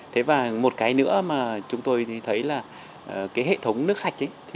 thế và một cái nữa mà chúng tôi thấy là hệ thống nước sạch